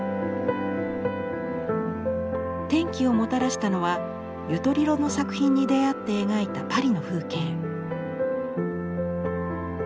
転機をもたらしたのはユトリロの作品に出会って描いたパリの風景。